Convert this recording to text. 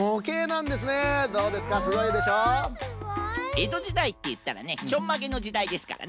えどじだいっていったらねちょんまげのじだいですからね。